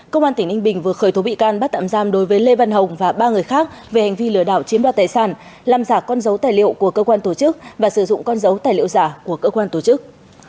công an tỉnh ninh bình vừa khởi tố bị can bắt tạm giam đối với lê văn hồng và ba người khác về hành vi lừa đảo chiếm đoạt tài sản làm giả con dấu tài liệu của cơ quan tổ chức và sử dụng con dấu tài liệu giả của cơ quan tổ chức